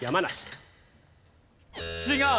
違う。